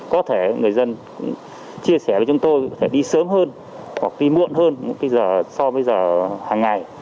có thể người dân cũng chia sẻ với chúng tôi có thể đi sớm hơn hoặc đi muộn hơn giờ so với giờ hàng ngày